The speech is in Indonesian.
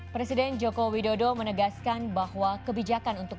presiden joko widodo menegaskan bahwa kebijakan untuk